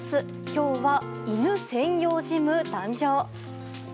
今日は、犬専用ジム誕生。